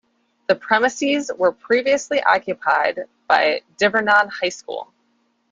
The premises were previously occupied by Divernon High School.